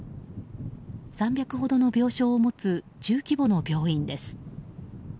３００ほどの病床を持つ中規模の病院です。